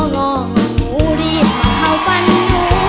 งูรีบมาเข้าฝั่งหนู